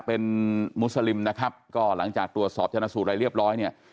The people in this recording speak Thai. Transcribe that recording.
เป็นมุสลิมนะครับก็หลังจากตรวจสอบชนะสูตรอะไรเรียบร้อยเนี่ย